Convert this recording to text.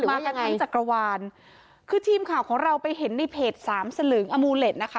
มายังไงจักรวาลคือทีมข่าวของเราไปเห็นในเพจสามสลึงอมูเล็ตนะคะ